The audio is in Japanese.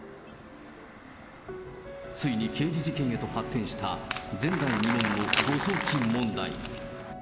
ついに刑事事件へと発展した前代未聞の誤送金問題。